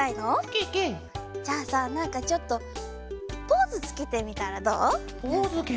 ケケ！じゃあさなんかちょっとポーズつけてみたらどう？